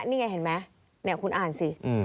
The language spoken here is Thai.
นี่ไงเห็นไหมคุณอ่านสิ